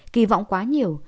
kỳ vọng quá nhiều